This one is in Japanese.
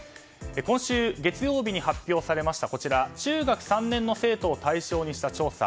今週月曜日に発表されました中学３年の生徒を対象にした調査